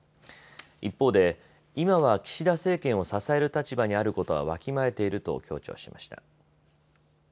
一方で、今は岸田政権を支える立場にあることはわきまえていると強調しました。